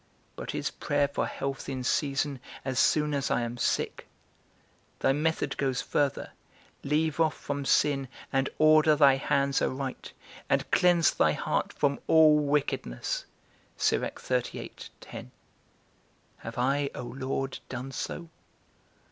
But is prayer for health in season, as soon as I am sick? Thy method goes further: Leave off from sin, and order thy hands aright, and cleanse thy heart from all wickedness. Have I, O Lord, done so?